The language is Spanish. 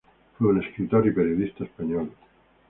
Fue un escritor y periodista español.